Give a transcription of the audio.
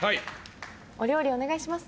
お料理お願いします。